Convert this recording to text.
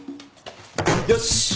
よし。